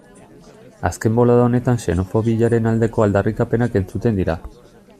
Azken bolada honetan xenofobiaren aldeko aldarrikapenak entzuten dira.